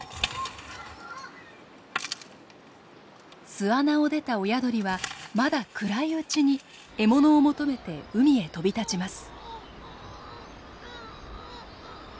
巣穴を出た親鳥はまだ暗いうちに獲物を求めて海へ飛び立ちます。